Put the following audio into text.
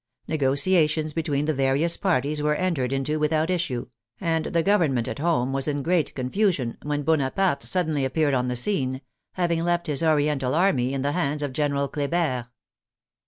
Negotiations between the various parties were entered into without issue, and the government at home was in g reat confusion, when Bonaparte suddenly ap peared on the scene, having left his Oriental army in the hands of General Kleber.